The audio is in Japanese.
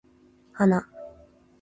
花